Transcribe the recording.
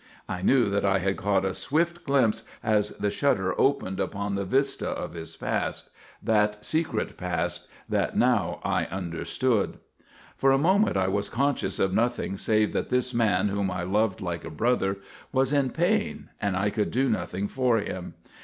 I knew that I had caught a swift glimpse as the shutter opened upon the vista of his past; that secret past that now I understood. For a moment I was conscious of nothing save that this man whom I loved like a brother was in pain and I could do nothing for him.